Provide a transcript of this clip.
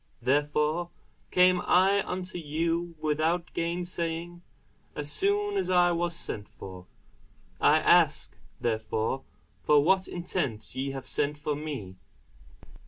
Therefore came I unto you without gainsaying, as soon as I was sent for: I ask therefore for what intent ye have sent for me?